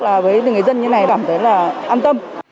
là với người dân như thế này cảm thấy là an tâm